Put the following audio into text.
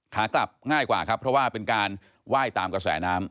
ขากลับง่ายกว่าครับเพราะว่าเป็นการไหว้ตามกระแสน้ำ